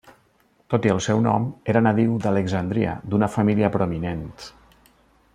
Tot i el seu nom, era nadiu d'Alexandria, d'una família prominent.